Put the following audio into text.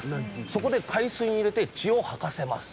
そこで海水に入れて血を吐かせます